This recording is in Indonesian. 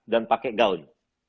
dan pakai gaun